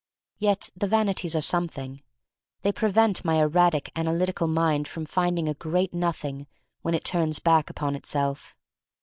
Yet the vanities are some thing. They prevent my erratic, analytical mind from finding a great Nothing when it turns back upon itself.